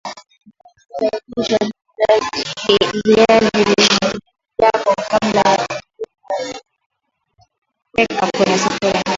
safisha viazi vyako kabla ya kupika weka kwenye sufuria